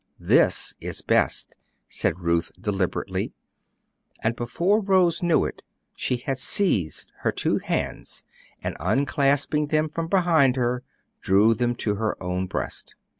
"This is best," said Ruth, deliberately; and before Rose knew it she had seized her two hands, and unclasping them from behind her, drew them to her own breast.